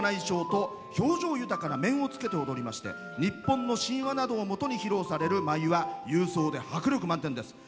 豪華な舞と表情豊かな面をつけて踊りまして日本の神話などを元に踊られる舞は勇壮で迫力満点です。